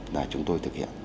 là chúng tôi thực hiện